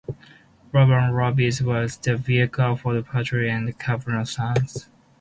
Rubberen Robbie was the vehicle for parody and carnival songs.